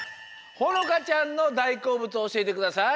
ほのかちゃんのだいこうぶつをおしえてください。